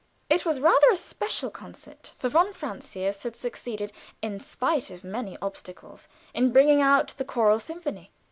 It was rather a special concert, for von Francius had succeeded, in spite of many obstacles, in bringing out the Choral Symphony.